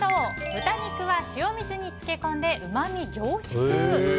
豚肉は塩水に漬け込んでうまみ凝縮！